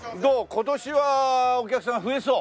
今年はお客さん増えそう？